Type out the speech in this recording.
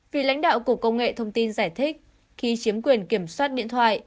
vì lãnh đạo của công nghệ thông tin giải thích khi chiếm quyền kiểm soát điện thoại